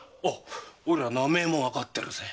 おいら名前もわかってるぜ。